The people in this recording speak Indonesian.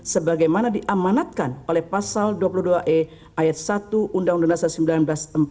sebagaimana diamanatkan oleh pasal dua puluh dua e ayat satu undang undang dasar seribu sembilan ratus empat puluh lima